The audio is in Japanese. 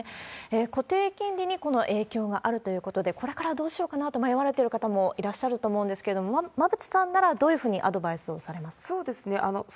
固定金利にこの影響があるということで、これからどうしようかなと迷われてる方もいらっしゃると思うんですけれども、馬渕さんなら、どういうふうにアドバイスをされます